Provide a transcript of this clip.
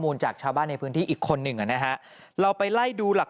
หลังจากพบศพผู้หญิงปริศนาตายตรงนี้ครับ